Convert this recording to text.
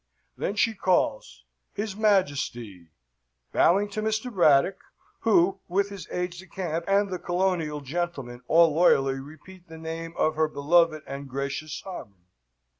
Then she calls, "His Majesty," bowing to Mr. Braddock, who with his aides de camp and the colonial gentlemen all loyally repeat the name of their beloved and gracious Sovereign.